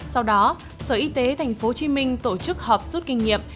sau đó sở y tế tp hcm tổ chức họp rút kinh nghiệm